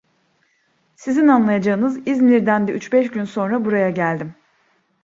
Sizin anlayacağınız İzmir'den de üç beş gün sonra buraya geldim.